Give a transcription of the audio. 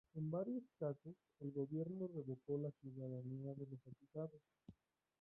En varios casos, el gobierno revocó la ciudadanía de los acusados.